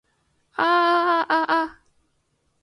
啊啊啊啊啊